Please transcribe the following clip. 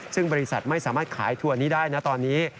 ซึ่งบริษัทไม่สามารถขายทัวร์นี้ได้นะตอนนี้